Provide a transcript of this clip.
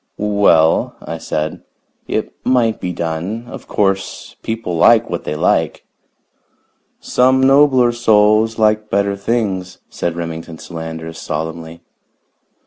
"Well," I said, "it might be done. Of course, people like what they like." "Some nobler souls like better things," said Remington Solander solemnly.